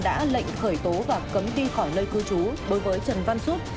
đã lệnh khởi tố và cấm đi khỏi lơi cư trú bối với trần văn xuất